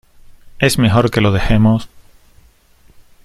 es mejor que lo dejemos,